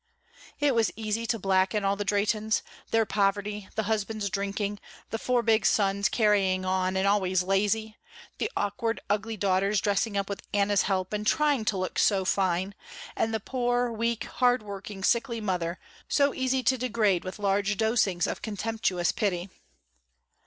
It was easy to blacken all the Drehtens, their poverty, the husband's drinking, the four big sons carrying on and always lazy, the awkward, ugly daughters dressing up with Anna's help and trying to look so fine, and the poor, weak, hard working sickly mother, so easy to degrade with large dosings of contemptuous pity.